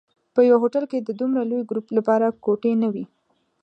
په یوه هوټل کې د دومره لوی ګروپ لپاره کوټې نه وې.